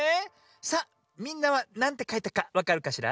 さあみんなはなんてかいたかわかるかしら？